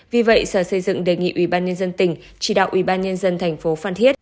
vì vậy sở xây dựng đề nghị ủy ban nhân dân tỉnh chỉ đạo ủy ban nhân dân thành phố phan thiết